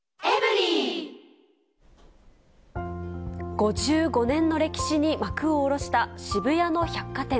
５５年の歴史に幕を下ろした渋谷の百貨店。